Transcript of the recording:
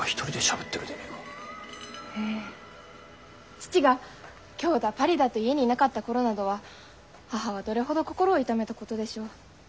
父が京だパリだと家にいなかった頃などは母はどれほど心を痛めたことでしょう。